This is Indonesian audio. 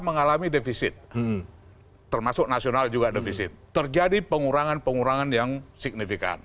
mengalami defisit termasuk nasional juga defisit terjadi pengurangan pengurangan yang signifikan